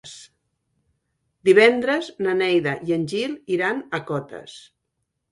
Divendres na Neida i en Gil iran a Cotes.